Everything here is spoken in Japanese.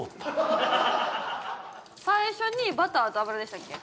最初にバターと油でしたっけ